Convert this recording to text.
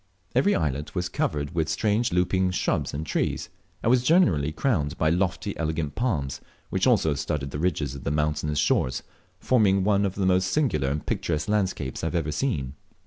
Every islet was covered will strange looping shrubs and trees, and was generally crowned by lofty and elegant palms, which also studded the ridges of the mountainous shores, forming one of the most singular and picturesque landscapes I have ever seen.